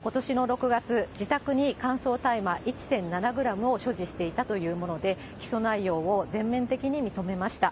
起訴内容はことしの６月、自宅に乾燥大麻１．７グラムを所持していたというもので、起訴内容を全面的に認めました。